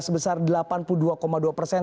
sebesar delapan puluh dua dua persen